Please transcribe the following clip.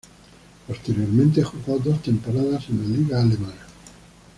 Posteriormente jugó dos temporadas en la liga alemana.